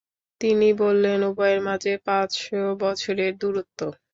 তিনি বললেনঃ উভয়ের মাঝে পাঁচশ বছরের দূরত্ব।